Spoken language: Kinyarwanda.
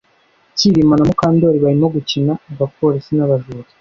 Kirima na Mukandoli barimo gukina abapolisi nabajura